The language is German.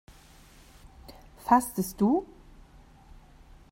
Fastest du?